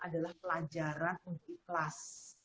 adalah pelajaran untuk ikhlas